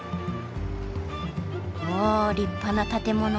あ立派な建物。